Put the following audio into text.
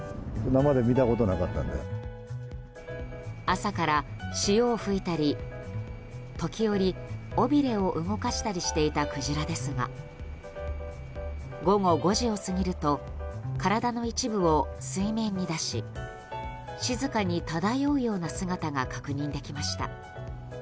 朝から潮を吹いたり時折、尾びれを動かしたりしていたクジラですが午後５時を過ぎると体の一部を水面に出し静かに漂うような姿が確認できました。